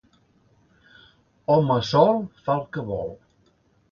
Home sol fa el que vol.